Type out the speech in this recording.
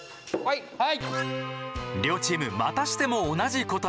両チームまたしても同じ答え。